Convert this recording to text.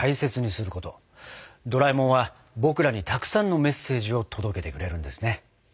ドラえもんは僕らにたくさんのメッセージを届けてくれるんですね。